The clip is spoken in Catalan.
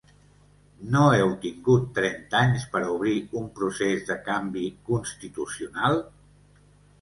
No heu tingut trenta anys per a obrir un procés de canvi constitucional?